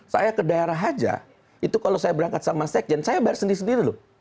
saya ke daerah saja itu kalau saya berangkat sama sekjen saya bayar sendiri sendiri loh